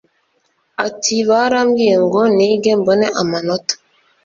Ati “Barambwiye ngo nige mbone amanota